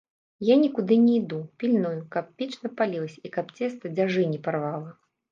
Я нікуды не іду, пільную, каб печ напалілася і каб цеста дзяжы не парвала.